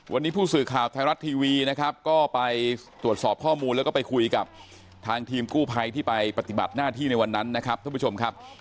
วันนี้ผู้สื่อข่าวไทยรัฐทีวีนะครับก็ไปตรวจสอบข้อมูลแล้วก็ไปคุยกับทางทีมกู้ภัยที่ไปปฏิบัติหน้าที่ในวันนั้นนะครับท่านผู้ชมครับ